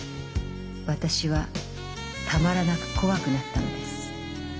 私はたまらなく怖くなったのです。